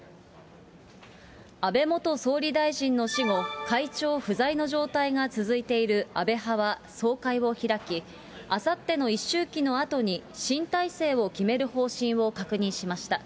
安倍元総理大臣の死後、会長不在の状態が続いている安倍派は総会を開き、あさっての一周忌のあとに新体制を決める方針を確認しました。